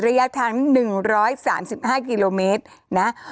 ระยะทาง๑๓๕กิโลเมตรนะ